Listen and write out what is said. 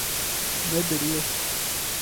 Me biriye.